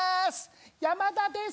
山田です